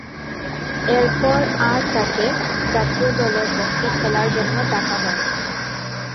এরপর আর তাকে জাতীয় দলের পক্ষে খেলার জন্যে ডাকা হয়নি।